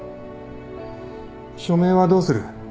署名はどうする？